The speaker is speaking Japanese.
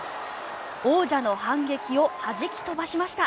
王者の反撃をはじき飛ばしました。